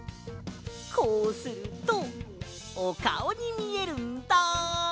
こうするとおかおにみえるんだ！